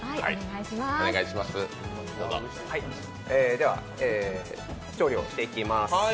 では調理をしていきます。